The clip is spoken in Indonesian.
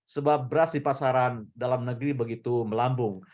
sebab beras di pasaran dalam negeri begitu melambung